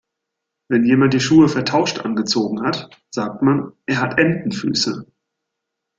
Wenn jemand die Schuhe vertauscht angezogen hat, sagt man, er hat Entenfüße.